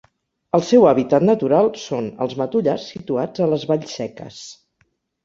El seu hàbitat natural són els matollars situats a les valls seques.